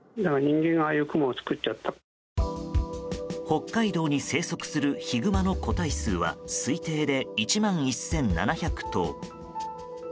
北海道に生息するヒグマの個体数は推定で１万１７００頭。